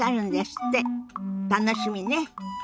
楽しみね。